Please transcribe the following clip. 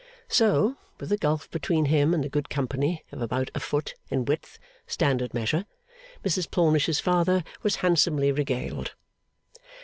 So, with a gulf between him and the good company of about a foot in width, standard measure, Mrs Plornish's father was handsomely regaled.